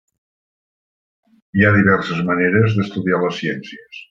Hi ha diverses maneres d'estudiar les ciències.